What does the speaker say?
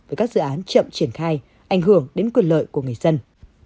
với các dự án chậm triển khai ảnh hưởng đến quyền lợi của người dân